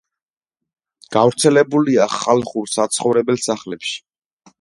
გავრცელებულია ხალხურ საცხოვრებელ სახლებში.